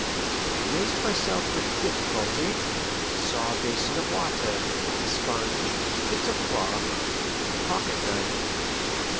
I raised myself with difficulty, and saw a basin of water, a sponge, bits of cloth, and a pocket knife.